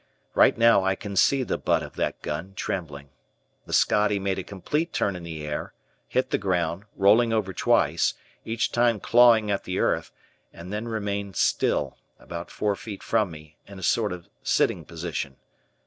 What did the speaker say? Right now I can see the butt of that gun trembling. The Scottie made a complete turn in the air, hit the ground, rolling over twice, each time clawing at the earth, and then remained still, about four feet from me, in a sort of sitting position.